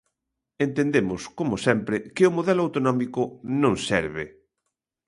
Entendemos, como sempre, que o modelo autonómico non serve.